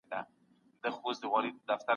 ځکه چې تدریس لنډمهاله دی نو پوهنه تلپاتې ده.